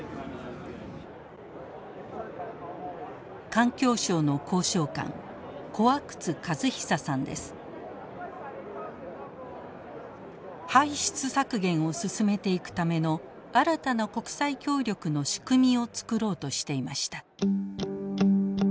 環境省の交渉官排出削減を進めていくための新たな国際協力の仕組みを作ろうとしていました。